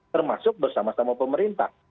termasuk bersama sama pemerintah